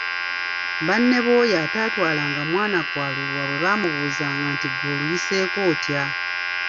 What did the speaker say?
Banne b’oyo ataatwalanga mwana kwalulwa bwe baamubuuzanga nti ‘gwe oluyiseeko otya?`